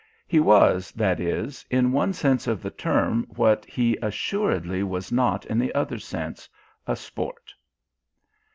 He was, that is, in one sense of the term what he assuredly was not in the other sense, a sport.